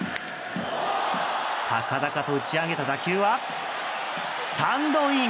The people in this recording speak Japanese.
高々と打ち上げた打球はスタンドイン！